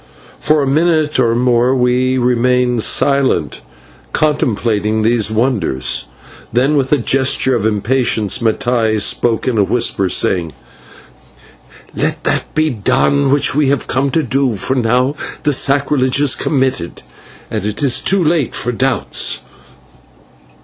For a minute or more we remained silent, contemplating these wonders; then, with a gesture of impatience, Mattai spoke in a whisper, saying: "Let that be done which we have come to do, for now the sacrilege is committed and it is too late for doubts."